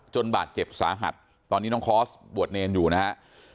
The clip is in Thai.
บาดเจ็บสาหัสตอนนี้น้องคอร์สบวชเนรอยู่นะฮะ